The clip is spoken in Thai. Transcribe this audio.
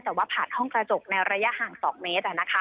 แต่ว่าผ่านห้องกระจกในระยะห่าง๒เมตร